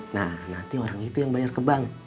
nah nanti orang itu yang bayar ke bank